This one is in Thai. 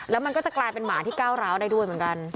แล้วมันก็จะกลายเป็นหมาที่ก้าวร้าวได้ด้วยเหมือนกัน